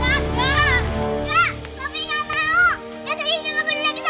gak poppy gak mau